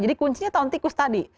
jadi kuncinya tahun tikus tadi